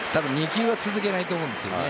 ２球は続けないと思うんです。